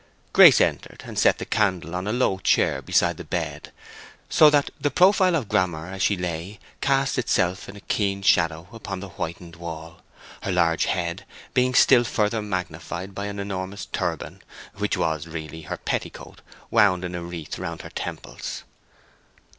Grace entered, and set the candle on a low chair beside the bed, so that the profile of Grammer as she lay cast itself in a keen shadow upon the whitened wall, her large head being still further magnified by an enormous turban, which was, really, her petticoat wound in a wreath round her temples.